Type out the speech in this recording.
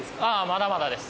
まだまだです。